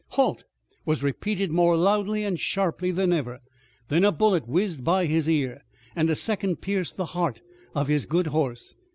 "Halt!" was repeated more loudly and sharply than ever. Then a bullet whizzed by Dick's ear, and a second pierced the heart of his good horse.